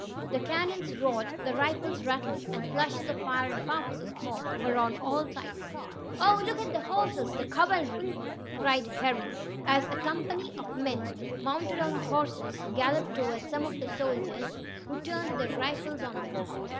The cannons roared, the rifles rattled and flashes of fire and puffs of smoke were on all sides. "Oh, look at the horses the cavalry!" cried Harry, as a company of men, mounted on horses, galloped toward some of the soldiers, who turned their rifles on them.